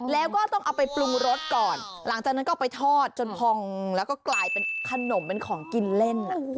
แล้วก็ต้องเอาไปปรุงรสก่อนหลังจากนั้นก็เอาไปทอดจนพองแล้วก็กลายเป็นขนมเป็นของกินเล่น